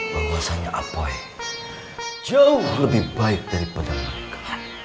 bahwasanya apoy jauh lebih baik daripada mereka